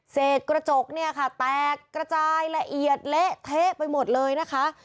เสร็จกระจกเนี่ยค่ะแตกกระจายละเอียดเละเทะไปหมดเลยนะคะ